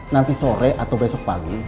nanti sore atau besok pagi